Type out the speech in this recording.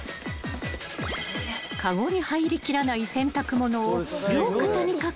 ［籠に入りきらない洗濯物を両肩に掛け干す］